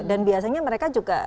dan biasanya mereka juga suka